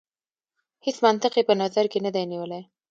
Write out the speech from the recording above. هیڅ منطق یې په نظر کې نه دی نیولی.